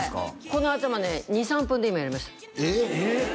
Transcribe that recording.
この頭ね２３分で今やりましたえっ！？えっ！？